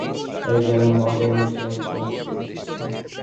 এ যেন মদের নেশার মতো আমাকে পেয়ে বসেছে।